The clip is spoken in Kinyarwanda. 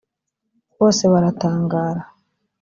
bose baratangara.